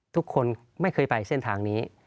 ทุกคนไม่เคยไปเส้นทางนี้